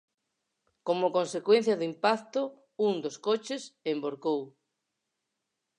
Como consecuencia do impacto un dos coches envorcou.